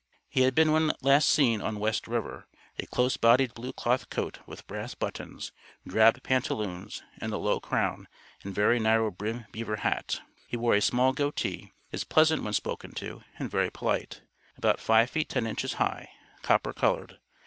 He had on when last seen on West River, a close bodied blue cloth coat with brass buttons, drab pantaloons, and a low crown and very narrow brim beaver hat; he wore a small goatee, is pleasant when spoken to, and very polite; about five feet ten inches high; copper colored.